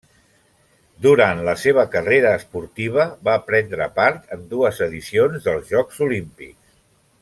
Durant la seva carrera esportiva va prendre part en dues edicions dels Jocs Olímpics.